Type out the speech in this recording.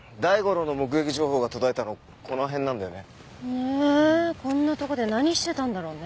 へえこんなとこで何してたんだろうね？